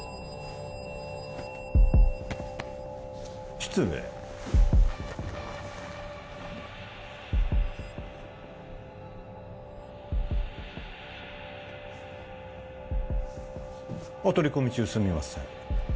失礼お取り込み中すみません